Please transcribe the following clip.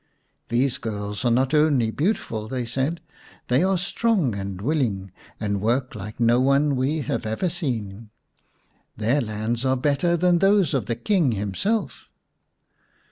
" These girls are not only beautiful," said they, " they are 157 The Reward of Industry xm strong and willing, and work like no one we have ever seen. Their lands are better than those of the King himself."